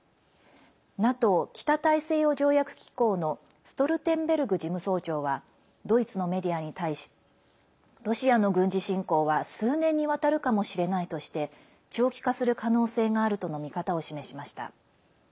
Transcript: ＮＡＴＯ＝北大西洋条約機構のストルテンベルグ事務総長はドイツのメディアに対しロシアの軍事侵攻は数年にわたるかもしれないとして長期化する可能性があるとの見方を示しました。